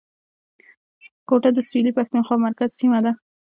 کوټه د سویلي پښتونخوا مرکز سیمه ده